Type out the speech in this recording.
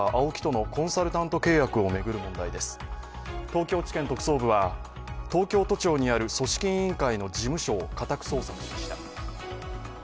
東京地検特捜部は東京都庁にある組織委員会の事務所を家宅捜索しました。